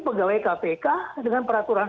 pegawai kpk dengan peraturan